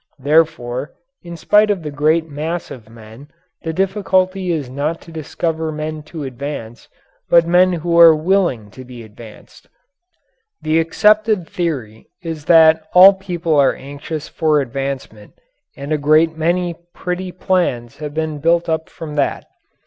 Therefore, in spite of the great mass of men, the difficulty is not to discover men to advance, but men who are willing to be advanced. The accepted theory is that all people are anxious for advancement, and a great many pretty plans have been built up from that.